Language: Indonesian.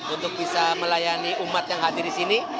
untuk bisa melayani umat yang hadir di sini